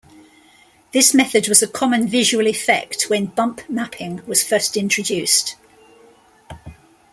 This method was a common visual effect when bump mapping was first introduced.